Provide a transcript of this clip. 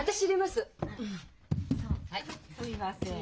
すいません。